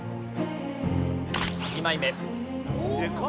２枚目。＃